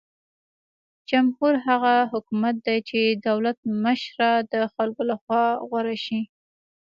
جمهور هغه حکومت دی چې د دولت مشره د خلکو لخوا غوره شي.